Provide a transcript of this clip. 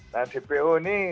nah dpo ini